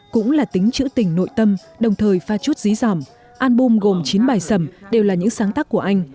cũng là tính trữ tình nội tâm đồng thời pha chút dí dòm album gồm chín bài sẩm đều là những sáng tác của anh